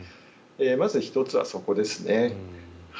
まず１つはそこですね。